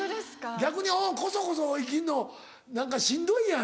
逆にこそこそ生きるの何かしんどいやん。